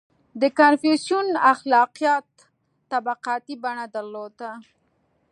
• د کنفوسیوس اخلاقیات طبقاتي بڼه درلوده.